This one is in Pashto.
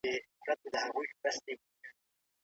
د ژوند سختۍ د شخصیت ودې لامل ګرځي.